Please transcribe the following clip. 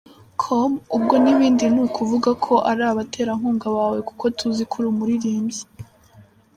com: Ubwo n’ibindi nukuvuga ko ari abaterankunga bawe kuko tuziko uri umuririmbyi?.